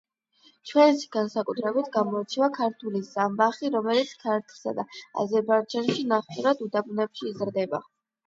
ჩვენში განსაკუთრებით გამოირჩევა ქართული ზამბახი, რომელიც ქართლსა და აზერბაიჯანში ნახევრად უდაბნოებში იზრდება.